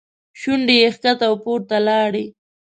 شونډې یې ښکته او پورته لاړې.